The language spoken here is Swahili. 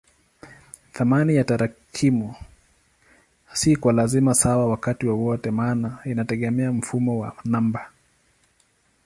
Thamani ya tarakimu si kwa lazima sawa wakati wowote maana inategemea mfumo wa namba.